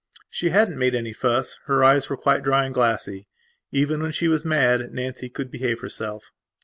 She hadn't made any fuss; her eyes were quite dry and glassy. Even when she was mad Nancy could behave herself.